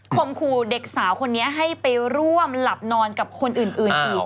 มขู่เด็กสาวคนนี้ให้ไปร่วมหลับนอนกับคนอื่นอีก